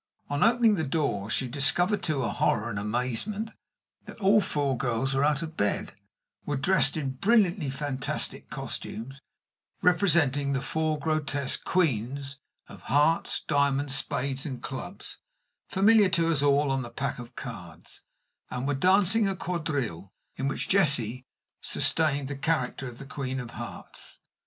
On opening the door, she discovered, to her horror and amazement, that all four girls were out of bed were dressed in brilliantly fantastic costumes, representing the four grotesque "Queens" of Hearts, Diamonds, Spades, and Clubs, familiar to us all on the pack of cards and were dancing a quadrille, in which Jessie sustained the character of The Queen of Hearts.